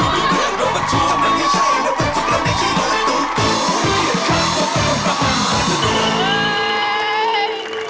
หมายเลข๕